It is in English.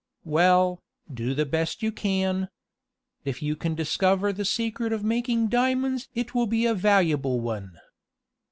"Well, do the best you can. If you can discover the secret of making diamonds it will be a valuable one."